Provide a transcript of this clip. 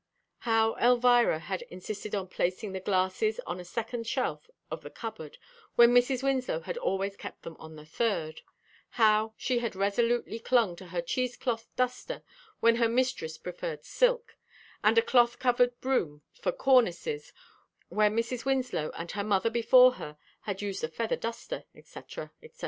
How Elvira had insisted on placing the glasses on the second shelf of the cupboard when Mrs. Winslow had always kept them on the third; how she had resolutely clung to a cheesecloth duster where her mistress preferred silk, and a cloth covered broom for cornices, where Mrs. Winslow, and her mother before her, had used a feather duster, etc., etc.